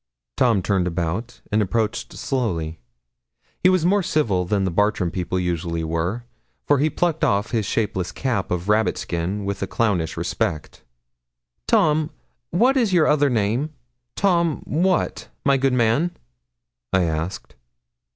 Tom turned about, and approached slowly. He was more civil than the Bartram people usually were, for he plucked off his shapeless cap of rabbit skin with a clownish respect. 'Tom, what is your other name, Tom what, my good man?' I asked.